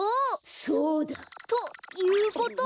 そうだ！ということは！